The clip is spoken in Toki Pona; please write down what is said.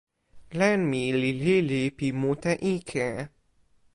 len mi li lili pi mute ike.